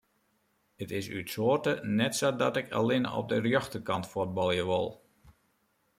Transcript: It is út soarte net sa dat ik allinne op de rjochterkant fuotbalje wol.